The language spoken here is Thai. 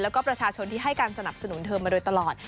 แล้วก็ประชาชนที่ให้การสนับสนุนเธอมาโดยตลอด